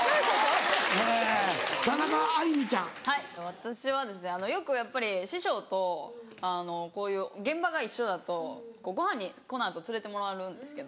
私はよくやっぱり師匠とこういう現場が一緒だとご飯にこの後連れてってもらえるんですけど。